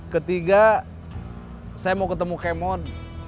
ketiga saya mau ketemu kemon